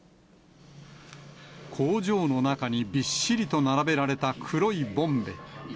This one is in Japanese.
工場の中にびっしりと並べられた黒いボンベ。